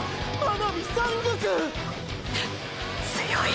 強い！！